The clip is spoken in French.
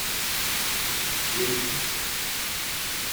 Où allez-vous ?